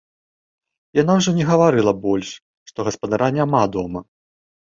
Яна ўжо не гаварыла больш, што гаспадара няма дома.